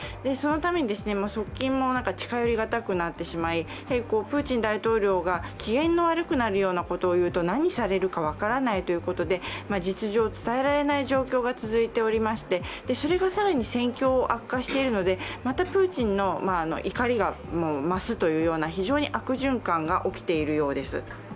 そのために側近も近寄りがたくなってしまいプーチン大統領が機嫌の悪くなるようなことを言うと何されるか分からないということで実情を伝えられない状況が続いておりましてそれが更に戦況を悪化しているので、またプーチンの怒りが増すという、非常に悪循環が起きているようです。